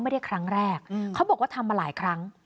ไม่ได้ครั้งแรกเขาบอกว่าทำมาหลายครั้ง